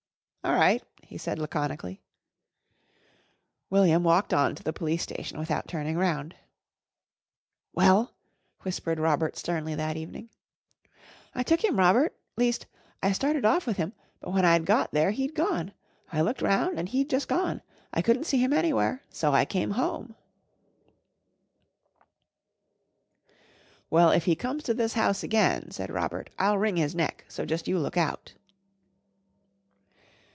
"All right," he said laconically. William walked on to the Police Station without turning round. "Well?" whispered Robert sternly that evening. "I took him, Robert least I started off with him, but when I'd got there he'd gone. I looked round and he'd jus' gone. I couldn't see him anywhere, so I came home." [Illustration: WILLIAM SAT IN THE BARN GAZING DOWN AT JUMBLE.] "Well, if he comes to this house again," said Robert, "I'll wring his neck, so just you look out."